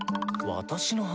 私の話。